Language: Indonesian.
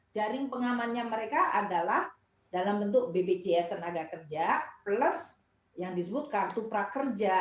jaring pengamannya mereka adalah dalam bentuk bpjs tenaga kerja plus yang disebut kartu prakerja